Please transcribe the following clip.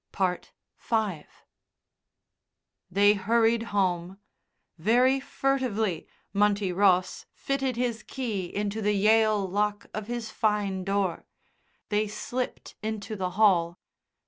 V They hurried home. Very furtively Munty Boss fitted his key into the Yale lock of his fine door. They slipped into the hall.